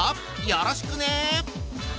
よろしくね！